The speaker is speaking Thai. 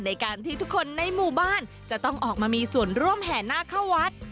ในการที่ทุกคนในหมู่บ้านจะต้องออกมามีส่วนร่วมแห่หน้าเข้าวัด